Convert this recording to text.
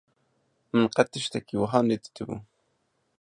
Min qet tiştekî wiha nedîtibû.